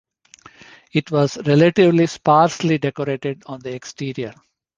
It was relatively sparsely decorated on the exterior.